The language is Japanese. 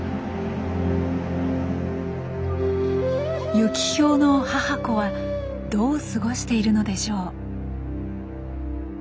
ユキヒョウの母子はどう過ごしているのでしょう。